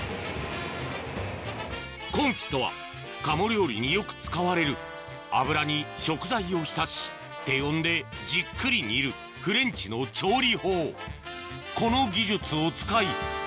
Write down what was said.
コンフィとはカモ料理によく使われる油に食材を浸し低温でじっくり煮るフレンチの調理法